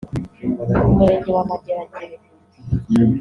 Umurenge wa Mageragere